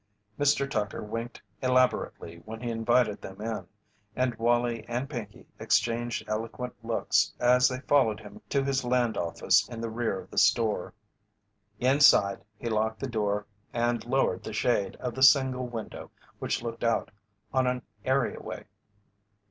Mr. Tucker winked elaborately when he invited them in, and Wallie and Pinkey exchanged eloquent looks as they followed him to his Land Office in the rear of the store. Inside, he locked the door and lowered the shade of the single window which looked out on an areaway.